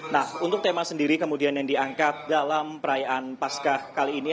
nah untuk tema sendiri kemudian yang diangkat dalam perayaan pascah kali ini